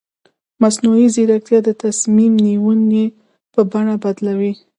مصنوعي ځیرکتیا د تصمیم نیونې بڼه بدلوي.